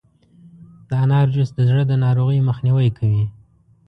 د انار جوس د زړه د ناروغیو مخنیوی کوي.